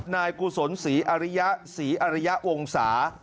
นายกุศลศรีอริยะศรีอริยะวงศา